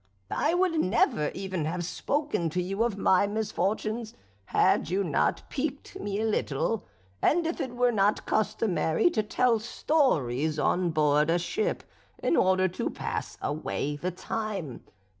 I would never even have spoken to you of my misfortunes, had you not piqued me a little, and if it were not customary to tell stories on board a ship in order to pass away the time.